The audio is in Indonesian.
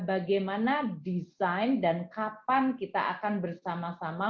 bagaimana desain dan kapan kita akan bersama sama